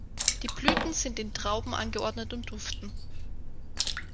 Die Blüten sind in Trauben angeordnet und duften.